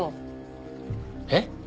えっ？